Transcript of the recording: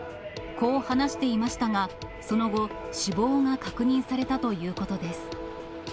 こう話していましたが、その後、死亡が確認されたということです。